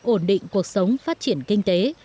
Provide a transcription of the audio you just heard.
ổn định cuộc sống phát triển kinh tế